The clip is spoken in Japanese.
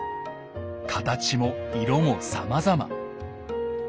形も色もさまざま。